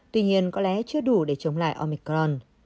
tuy nhiên có lẽ chưa đủ để chống lại omicron